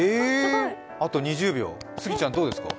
あと２０秒、杉ちゃんどうですか？